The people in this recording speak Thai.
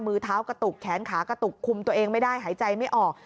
มือเท้ากระตุกแขนขากระตุกคุมตัวเองไม่ได้หายใจไม่ออก